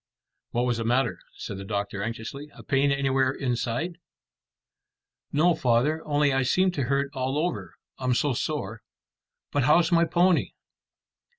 "What was the matter?" said the doctor anxiously. "A pain anywhere inside?" "No, father, only I seem to hurt all over, I'm so sore. But how's my pony?"